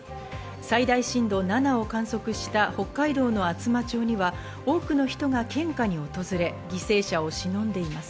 最大震度７を観測した北海道の厚真町には多くの人が献花に訪れ、犠牲者をしのんでいます。